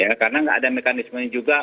ya karena nggak ada mekanismenya juga